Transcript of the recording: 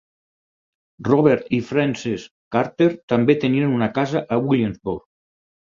Robert i Frances Carter també tenien una casa a Williamsburg.